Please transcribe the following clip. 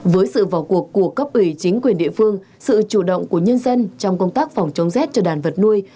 với sự vào cuộc của cấp ủy chính quyền địa phương sự chủ động của nhân dân trong công tác phòng chống rét cho đàn vật nuôi